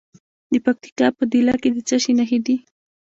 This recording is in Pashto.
د پکتیکا په دیله کې د څه شي نښې دي؟